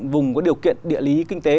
vùng có điều kiện địa lý kinh tế